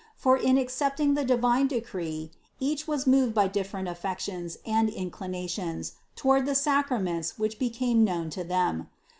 For in accept ing the divine decree each was moved by different affec tions and inclinations toward the sacraments which be came known to them.